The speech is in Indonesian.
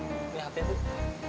ini hpnya bu